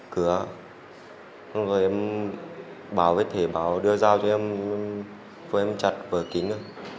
cứa rồi em bảo với thầy bảo đưa dao cho em vô em chặt vỡ kính